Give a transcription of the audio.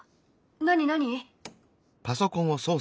何何？